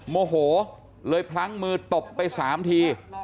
โมโหเลยพลั้งมือตบไป๓ที